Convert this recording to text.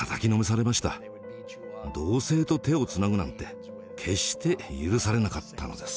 同性と手をつなぐなんて決して許されなかったのです。